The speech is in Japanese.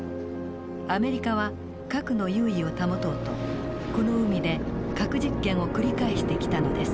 アメリカは核の優位を保とうとこの海で核実験を繰り返してきたのです。